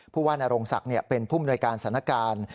ผู้ว่านโรงศักดิ์เป็นผู้มนวยการสถานการณ์